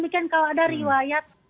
kalau ada riwayat